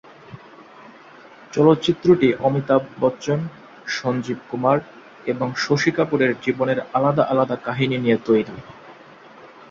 চলচ্চিত্রটি অমিতাভ বচ্চন, সঞ্জীব কুমার এবং শশী কাপুর এর জীবনের আলাদা আলাদা কাহিনী নিয়ে তৈরি।